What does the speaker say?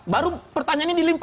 baru pertanyaannya dilimpa